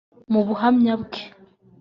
Mu buhumya bwe